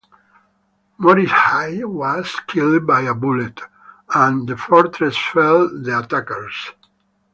Morishige was killed by a bullet, and the fortress fell the attackers.